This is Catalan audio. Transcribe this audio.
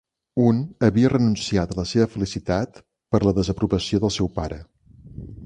Un havia renunciat a la seva felicitat per la desaprovació del seu pare.